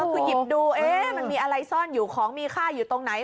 คือหยิบดูมันมีอะไรซ่อนอยู่ของมีค่าอยู่ตรงไหน